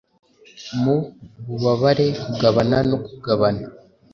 Mububabare kugabana no kugabana